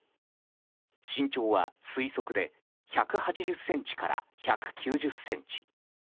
身長は推測で１８０ｃｍから１９０ｃｍ。